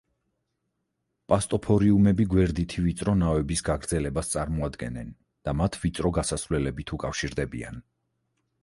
პასტოფორიუმები გვერდითი ვიწრო ნავების გაგრძელებას წარმოადგენენ და მათ ვიწრო გასასვლელებით უკავშირდებიან.